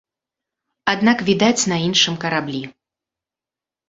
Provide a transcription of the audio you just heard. Аднак, відаць, на іншым караблі.